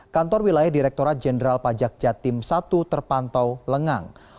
kantor wilayah direkturat jenderal pajak jatim i terpantau lengang